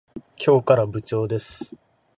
今日から部長です。